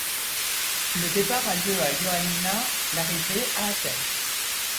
Le départ a lieu à Ioannina, l'arrivée à Athènes.